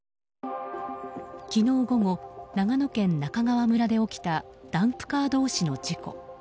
昨日午後、長野県中川村で起きたダンプカー同士の事故。